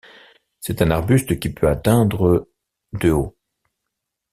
C'est un arbuste qui peut atteindre de haut.